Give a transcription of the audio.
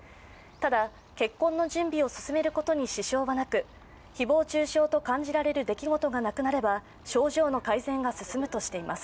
ただ、結婚の準備を進めることに支障はなく誹謗中傷と感じられる出来事がなくなれば症状の改善が進むとしています。